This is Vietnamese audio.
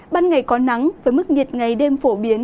ban ngày có nắng với mức nhiệt ngày đêm phổ biến